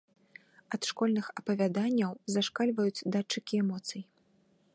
Ад школьных апавяданняў зашкальваюць датчыкі эмоцый.